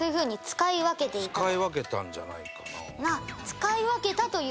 使い分けたんじゃないかな。